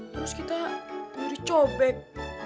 terus kita ngiri cobek